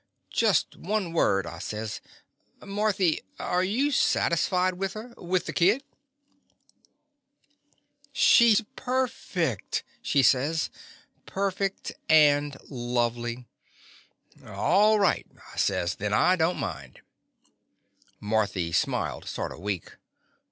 "Just one word," I says. Marthy, arc you satisfied with her — ^with the kidr The Confessions of a Daddy "She 's perfect!" she says, "perfect and lovely." "All right," I says, "then I don't mind." Marthy smiled, sort of weak.